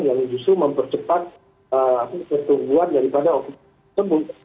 yang justru mempercepat pertumbuhan daripada okupan tersebut